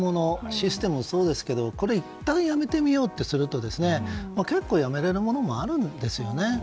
システムもそうですけどこれをいったんやめてみようとすると結構やめれるものもあるんですよね。